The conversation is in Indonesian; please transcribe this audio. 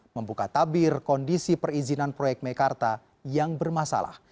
membuka tabir kondisi perizinan proyek mekarta yang bermasalah